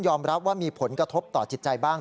รับว่ามีผลกระทบต่อจิตใจบ้าง